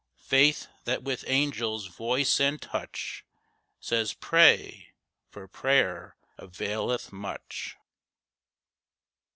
Faith, that with angel's voice and touch Says, "Pray, for prayer availeth much."